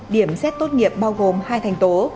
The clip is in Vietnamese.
điểm xét tốt nghiệp bao gồm hai thành tố